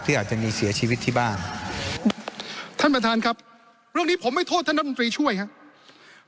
อาจจะมีเสียชีวิตที่บ้านท่านประธานครับเรื่องนี้ผมไม่โทษท่านรัฐมนตรีช่วยครับ